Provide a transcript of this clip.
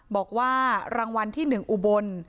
บอกว่ารางวัลที่๑อุบล